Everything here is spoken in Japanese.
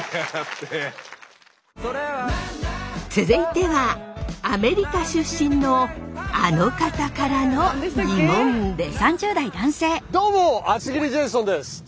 続いてはアメリカ出身のあの方からのギモンです。